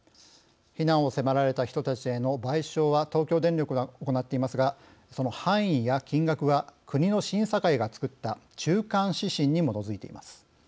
避難を迫られた人たちへの賠償は東京電力が行っていますがその範囲や金額は国の審査会が作った中間指針に基づいています。